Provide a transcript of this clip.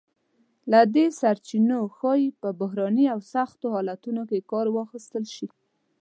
له دې سرچینو ښایي په بحراني او سختو حالتونو کې کار واخیستل شی.